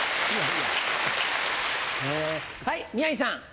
はい宮治さん。